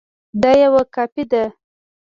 دا یوه کاپي ده